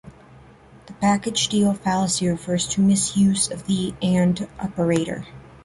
The package deal fallacy refers to misuse of the "and" operator.